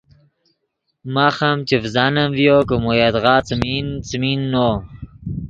ماخ ام چڤزانم ڤیو کہ مو یدغا څیمین، څیمین نو